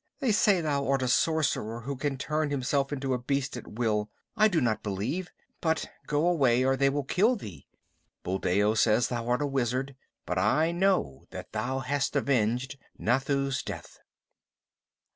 They say thou art a sorcerer who can turn himself into a beast at will. I do not believe, but go away or they will kill thee. Buldeo says thou art a wizard, but I know thou hast avenged Nathoo's death."